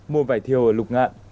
mua vải thiều ở lục ngạn